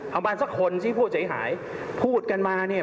ประมาณสักคนที่ผู้เสียหายพูดกันมาเนี่ย